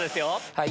はい。